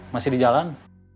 masih di jalan